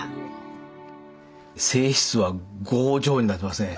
性質は剛情になってますね。